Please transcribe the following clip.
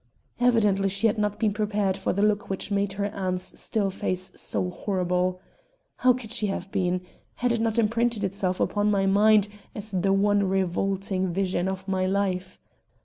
Evidently she had not been prepared for the look which made her aunt's still face so horrible. How could she have been? Had it not imprinted itself upon my mind as the one revolting vision of my life?